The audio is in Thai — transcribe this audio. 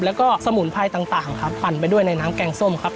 แล้วก็สมุนไพรต่างครับปั่นไปด้วยในน้ำแกงส้มครับ